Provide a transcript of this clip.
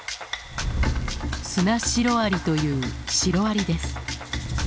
スナシロアリというシロアリです。